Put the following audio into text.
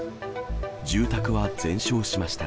住宅は全焼しました。